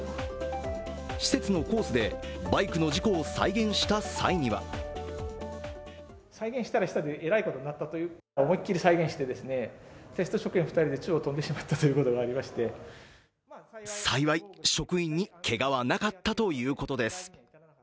施設のコースでバイクの事故を再現した際には幸い、職員にけがはなかったということです。